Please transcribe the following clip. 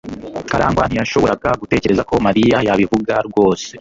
karangwa ntiyashoboraga gutekereza ko mariya yabivuga rwose